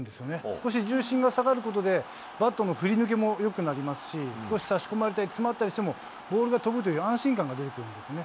少し重心が下がることで、バットの振り抜けもよくなりますし、少しさしこまれて詰まったりしても、ボールが飛ぶという安心感が出てくるんですね。